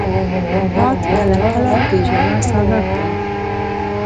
باد کله کله د ژړا سبب دی